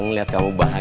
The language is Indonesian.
gw kelihatan biasa